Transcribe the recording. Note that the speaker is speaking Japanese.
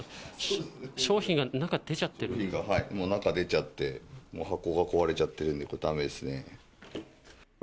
商品が、中出ちゃって、もう箱が壊れちゃってるんでこれ、だめですね。